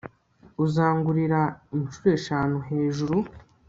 uzangurira inshuro eshanu hejuru